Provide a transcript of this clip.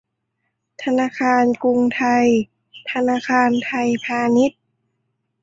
ธนาคารกรุงไทย ธนาคารไทยพาณิชย์